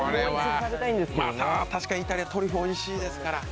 確かにイタリア、トリュフおいしいですから。